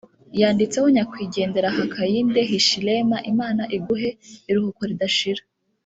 yanditseho nyakwigendera Hakainde Hichilema Imana iguhe iruhuko ridashira